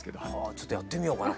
ちょっとやってみようかな。